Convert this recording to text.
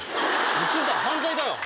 盗んだら犯罪だよ。